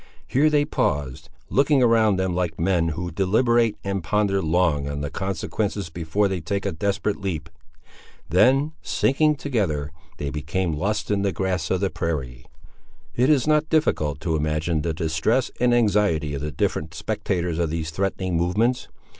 Here they paused, looking around them like men who deliberate and ponder long on the consequences before they take a desperate leap. Then sinking together, they became lost in the grass of the prairie. It is not difficult to imagine the distress and anxiety of the different spectators of these threatening movements.